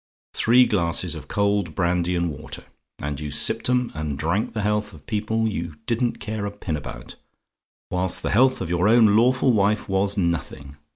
Three glasses of cold brandy and water; and you sipped 'em, and drank the health of people who you didn't care a pin about; whilst the health of your own lawful wife was nothing.